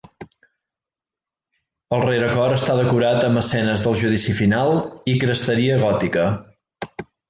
El rerecor està decorat amb escenes del Judici Final i cresteria gòtica.